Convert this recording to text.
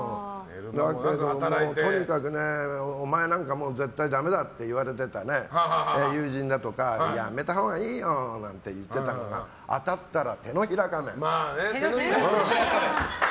とにかくお前なんか絶対ダメだって言われてた友人だとかがやめたほうがいいよなんて言ってたから当たったら手のひら返し。